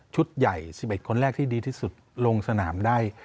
ใหญ่๑๑คนแรกที่ดีที่สุดลงสนามได้